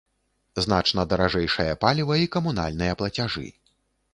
Значна даражэйшае паліва і камунальныя плацяжы.